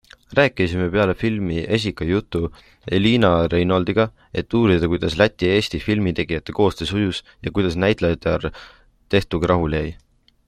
Rääkisime peale filmi esikat juttu Elina Reinoldiga, et uurida kuidas Läti-Eesti filmitegijate koostöö sujus ja kuidas näitlejatar tehtuga rahule jäi.